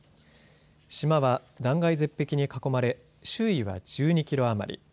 島は断崖絶壁に囲まれ周囲は１２キロ余り。